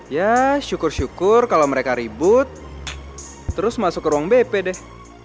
ya syukur syukur kalau mereka ribut terus masuk ke ruang bp deh